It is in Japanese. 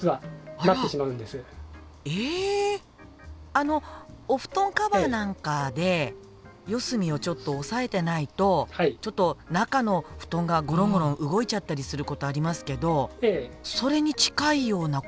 あのお布団カバーなんかで四隅をちょっと押さえてないとちょっと中の布団がごろんごろん動いちゃったりすることありますけどそれに近いようなことですか？